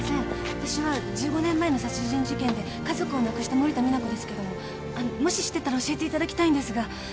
わたしは１５年前の殺人事件で家族を亡くした森田実那子ですけどももし知ってたら教えていただきたいんですが。